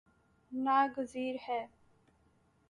نا گزیر ہے